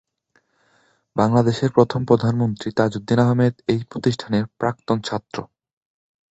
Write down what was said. বাংলাদেশের প্রথম প্রধানমন্ত্রী তাজউদ্দীন আহমেদ এই প্রতিষ্ঠানের প্রাক্তন ছাত্র।